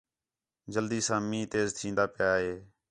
جلدی ساں مینہ تیز تِھین٘دا پِیا ہِے